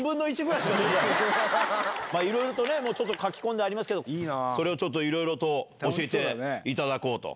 いろいろともう書き込んでありますけどそれを教えていただこうと。